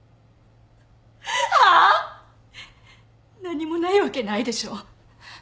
何もないわけないでしょ？